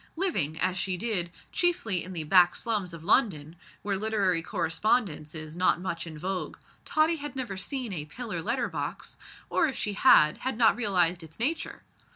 Living, as she did, chiefly in the back slums of London, where literary correspondence is not much in vogue, Tottie had never seen a pillar letter box, or, if she had, had not realised its nature.